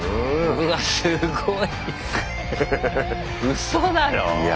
うそだろう？